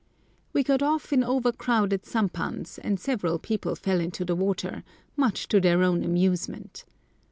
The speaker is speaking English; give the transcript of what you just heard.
We got off in over crowded sampans, and several people fell into the water, much to their own amusement.